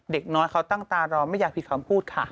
เด็กน้อยเขาตั้งตารอไม่อยากผิดคำพูดค่ะ